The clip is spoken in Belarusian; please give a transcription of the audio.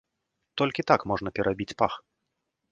Толькі так можна перабіць пах.